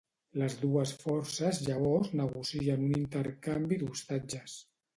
Les dues forces llavors negocien un intercanvi d'ostatges.